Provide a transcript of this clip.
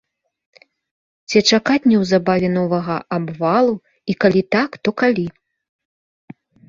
Ці чакаць неўзабаве новага абвалу і калі так, то калі?